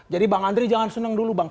jadi bang andri jangan seneng dulu bang